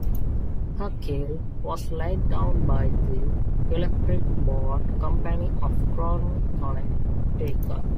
Her keel was laid down by the Electric Boat Company of Groton, Connecticut.